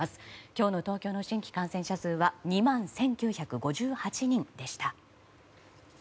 今日の東京の新規感染者数は２万１９５８人でした。